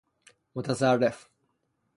متصرف